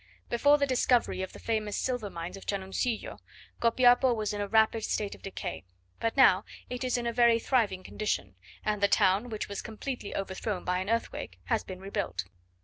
Before the discovery of the famous silver mines of Chanuncillo, Copiapo was in a rapid state of decay; but now it is in a very thriving condition; and the town, which was completely overthrown by an earthquake, has been rebuilt.